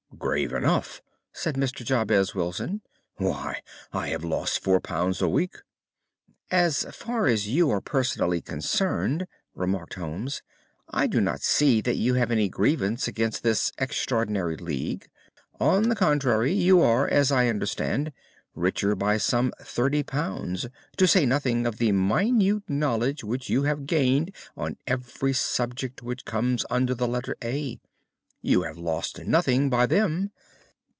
"Grave enough!" said Mr. Jabez Wilson. "Why, I have lost four pound a week." "As far as you are personally concerned," remarked Holmes, "I do not see that you have any grievance against this extraordinary league. On the contrary, you are, as I understand, richer by some £ 30, to say nothing of the minute knowledge which you have gained on every subject which comes under the letter A. You have lost nothing by them."